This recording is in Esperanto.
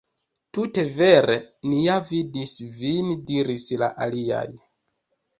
"Tute vere, ni ja vidis vin," diris la aliaj.